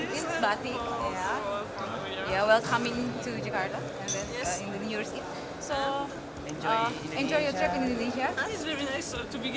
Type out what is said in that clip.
jadi menikmati perjalanan anda di indonesia